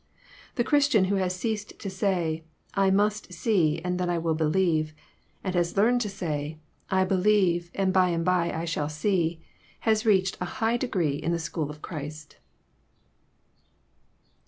The Christian who has ceased to say, '' I must see, and then I will believe," and has learned to say, ^' I believe, and by and by I shall see," has reached a high degree in the school of Christ.